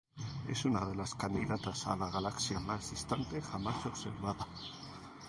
Es una de las candidatas a la galaxia más distante jamás observada.